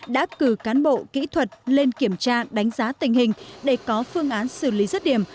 đã cử cán bộ kỹ thuật lên kiểm tra đánh giá tình hình để có phương án xử lý rứt điểm